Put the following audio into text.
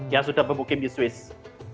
yang sudah bermukim di swiss